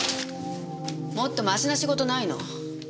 もっとマシな仕事ないの？